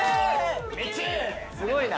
すごいな。